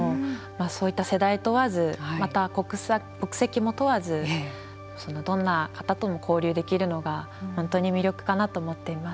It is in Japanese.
そういった世代問わずまた、国籍も問わずどんな方とも交流できるのが本当に魅力かなと思っています。